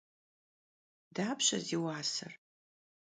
Dapşe zi vuaser?